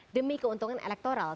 demi keuntungan elektoral